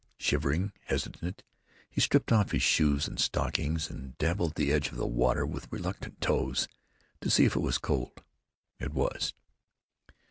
Shivering, hesitant, he stripped off his shoes and stockings and dabbled the edge of the water with reluctant toes, to see if it was cold. It was.